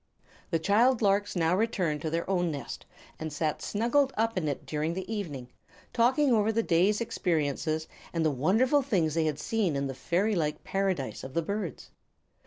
The child larks now returned to their own nest, and sat snuggled up in it during the evening, talking over the day's experiences and the wonderful things they had seen in the fairy like Paradise of the Birds.